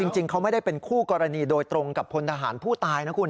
จริงเขาไม่ได้เป็นคู่กรณีโดยตรงกับพลทหารผู้ตายนะคุณ